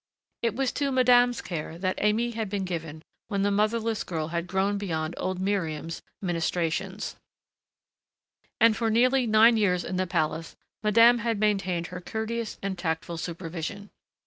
It was to madame's care that Aimée had been given when the motherless girl had grown beyond old Miriam's ministrations, and for nearly nine years in the palace madame had maintained her courteous and tactful supervision.